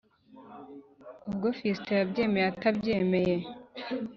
ubwo fiston yabyemeye atabyemeye